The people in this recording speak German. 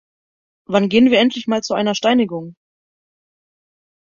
Wann gehen wir endlich mal zu einer Steinigung?